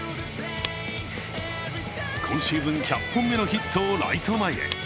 今シーズン１００本目のヒットをライト前へ。